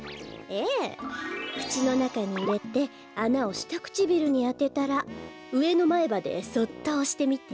くちのなかにいれてあなをしたくちびるにあてたらうえのまえばでそっとおしてみて。